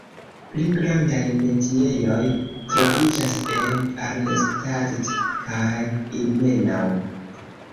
Pli grandaj metiejoj troviĝas en Arnstadt kaj Ilmenau.